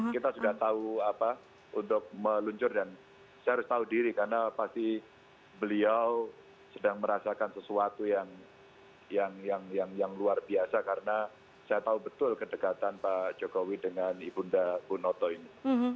kita sudah tahu apa untuk meluncur dan saya harus tahu diri karena pasti beliau sedang merasakan sesuatu yang luar biasa karena saya tahu betul kedekatan pak jokowi dengan ibunda bu noto ini